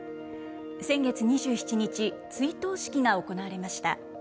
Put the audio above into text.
先月２７日、追悼式が行われました。